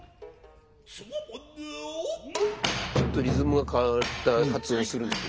ちょっとリズムが変わった発音するんですよ。